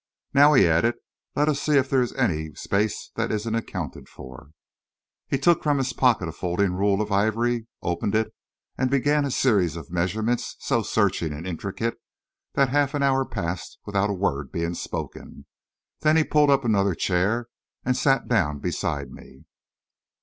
"Now," he added, "let us see if there is any space that isn't accounted for." He took from his pocket a folding rule of ivory, opened it, and began a series of measurements so searching and intricate that half an hour passed without a word being spoken. Then he pulled up another chair, and sat down beside me.